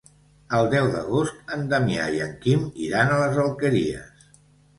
El deu d'agost en Damià i en Quim iran a les Alqueries.